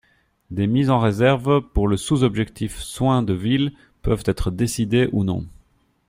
Des mises en réserve pour le sous-objectif soins de ville peuvent être décidées ou non.